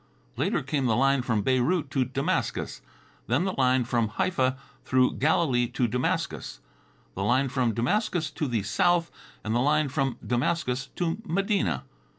Later came the line from Beirut to Damascus; then the line from Haifa through Galilee to Damascus, the line from Damascus to the south, and the line from Damascus to Medina.